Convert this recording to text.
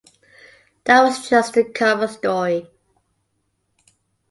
That was just the cover story.